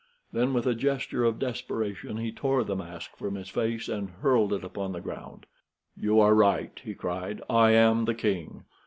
Then, with a gesture of desperation, he tore the mask from his face and hurled it upon the ground. "You are right," he cried, "I am the king.